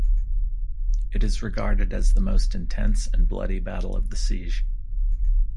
It is regarded as the most intense and bloody battle of the siege.